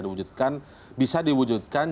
diwujudkan bisa diwujudkan